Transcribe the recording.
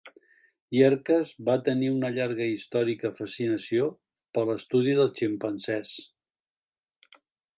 Yerkes va tenir una llarga i històrica fascinació per l'estudi dels ximpanzés.